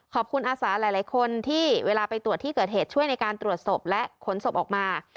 อาสาหลายคนที่เวลาไปตรวจที่เกิดเหตุช่วยในการตรวจศพและขนศพออกมา